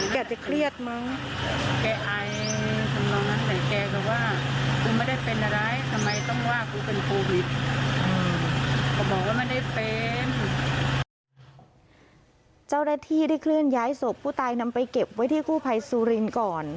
เขาบอกว่าไม่ได้เป็นเจ้าแรกที่ได้เคลื่อนย้ายศพผู้ตายนำไปเก็บไว้ที่คู่ภัยซูรินก่อน